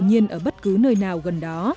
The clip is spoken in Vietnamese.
nhưng tự nhiên ở bất cứ nơi nào gần đó